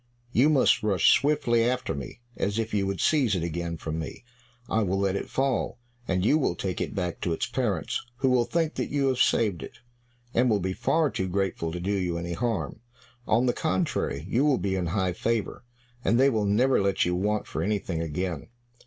You must rush swiftly after me, as if you would seize it again from me. I will let it fall, and you will take it back to its parents, who will think that you have saved it, and will be far too grateful to do you any harm; on the contrary, you will be in high favor, and they will never let you want for anything again."